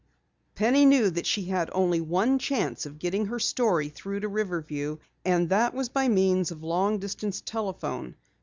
_ Penny knew that she had only one chance of getting her story through to Riverview, and that was by means of long distance telephone.